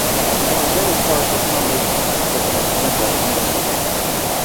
While Dennis Park accommodates Touch Football, Netball and Rugby League.